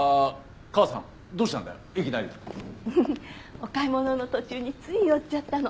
お買い物の途中につい寄っちゃったの。